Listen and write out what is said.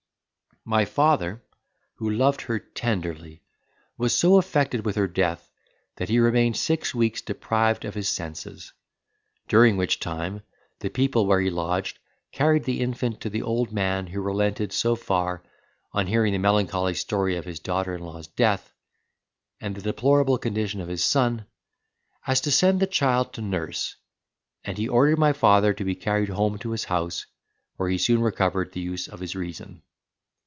My father, who loved her tenderly, was so affected with her death that he remained six weeks deprived of his senses; during which time, the people where he lodged carried the infant to the old man who relented so far, on hearing the melancholy story of his daughter in law's death, and the deplorable condition of his son, as to send the child to nurse, and he ordered my father to be carried home to his house, where he soon recovered the use of his reason.